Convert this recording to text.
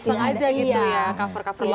iseng aja gitu ya cover cover lagu